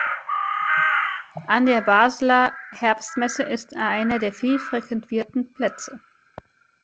An der Basler Herbstmesse ist er einer der viel frequentierten Plätze.